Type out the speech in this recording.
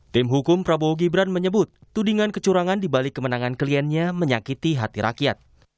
tim hukum prabowo gibran menyebut tudingan kecurangan dibalik kemenangan kliennya menyakiti hati rakyat